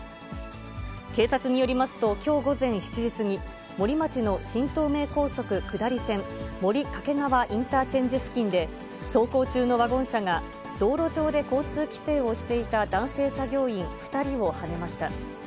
警察によりますと、きょう午前７時過ぎ、森町の新東名高速下り線森掛川インターチェンジ付近で、走行中のワゴン車が、道路上で交通規制をしていた男性作業員２人をはねました。